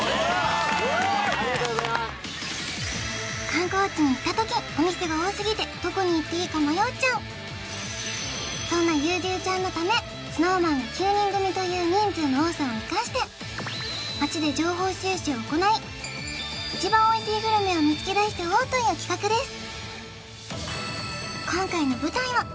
観光地に行った時か迷っちゃうそんな優柔ちゃんのためＳｎｏｗＭａｎが９人組という人数の多さを生かして街で情報収集を行い一番おいしいグルメを見つけ出しちゃおうという企画です